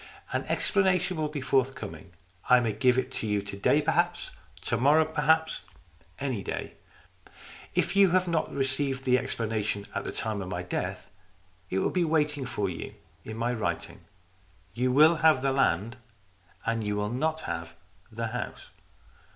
"An explanation will be forthcoming. I may give it to you to day perhaps to morrow perhaps any day. If you have not received the explana tion at the time of my death, it will be waiting for you in my writing. You will have the land, and you will not have the house."